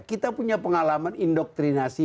kita punya pengalaman indoktrinasi